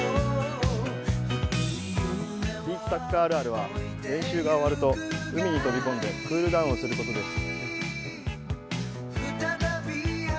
ビーチサッカーあるあるは、練習が終わると海に飛び込んでクールダウンをすることです。